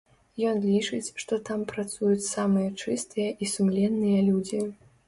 Ён лічыць, што там працуюць самыя чыстыя і сумленныя людзі.